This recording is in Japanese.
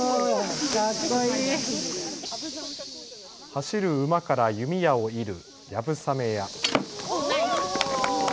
走る馬から弓矢を射るやぶさめや。